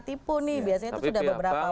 tipu nih biasanya itu sudah beberapa